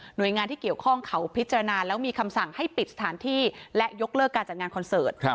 โดยงานที่เกี่ยวข้องเขาพิจารณาแล้วมีคำสั่งให้ปิดสถานที่และยกเลิกการจัดงานคอนเสิร์ต